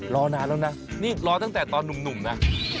รอนานแล้วนะนี่รอตั้งแต่ตอนหนุ่มนะ